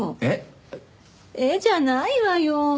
「えっ？」じゃないわよ。